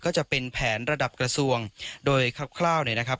ก็จะเป็นแผนระดับกระทรวงโดยคร่าวเนี่ยนะครับ